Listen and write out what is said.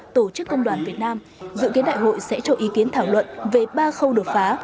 tổ chức công đoàn việt nam dự kiến đại hội sẽ cho ý kiến thảo luận về ba khâu đột phá